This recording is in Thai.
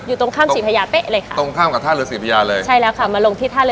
อยู่ตรงข้ามสีพญาเป๊ะเลยค่ะ